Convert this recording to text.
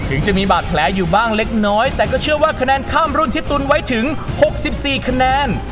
ถึงจะมีบาดแผลอยู่บ้างเล็กน้อยแต่ก็เชื่อว่าคะแนนข้ามรุ่นที่ตุนไว้ถึง๖๔คะแนน